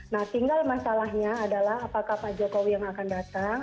nah tinggal masalahnya adalah apakah pak jokowi yang akan datang